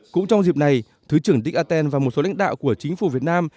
cũng trong dịp này thứ trưởng đích aten và một số lãnh đạo của chính phủ việt nam